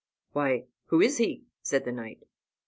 "Why, who is he?" said the knight.